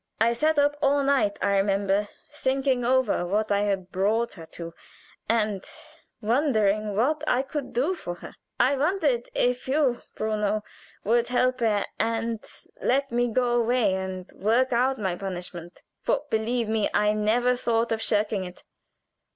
I sat up all night, I remember, thinking over what I had brought her to, and wondering what I could do for her. I wondered if you, Bruno, would help her and let me go away and work out my punishment, for, believe me, I never thought of shirking it.